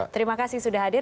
terima kasih sudah hadir